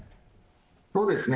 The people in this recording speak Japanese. そうですね。